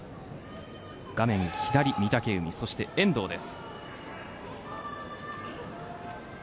画面左、御嶽海そして遠藤です。